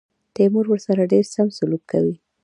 تیمور ورسره ډېر سم سلوک کوي.